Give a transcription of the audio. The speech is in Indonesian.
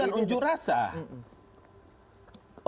ini bukan ujuk rasa ini bukan ujuk rasa ini bukan ujuk rasa